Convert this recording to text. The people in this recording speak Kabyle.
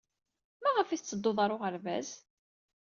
Maɣef ay tetteddud ɣer uɣerbaz?